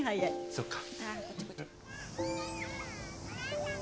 そっか。